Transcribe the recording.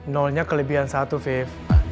nolnya kelebihan satu fief